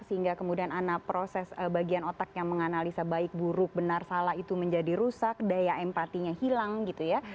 sehingga kemudian anak proses bagian otak yang menganalisa baik buruk benar salah itu menjadi rusak daya empatinya hilang gitu ya